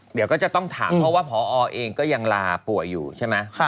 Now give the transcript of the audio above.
เดี๋ยวก็จะต้องถามเพราะว่าพอเองก็ยังลาป่วยอยู่ใช่ไหม